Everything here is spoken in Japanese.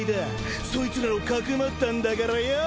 そいつらをかくまったんだからよぉ。